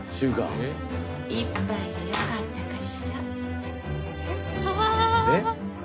「１杯でよかったかしら？」